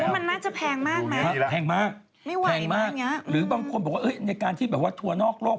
มันน่าจะแพงมากมั้ยครับแพงมากแพงมากหรือบางคนบอกว่าในการทัวร์นอกโลก